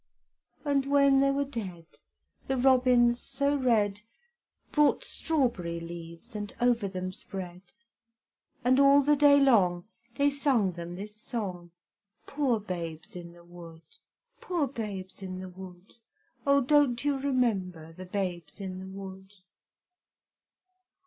And when they were dead, The robins so red, Brought strawberry leaves And over them spread; And all the day long, They sung them this song: "Poor babes in the wood! Poor babes in the wood! Oh don't you remember the babes in the wood?"